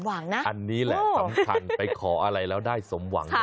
อันนี้แหละสำคัญไปขออะไรแล้วได้สมหวัง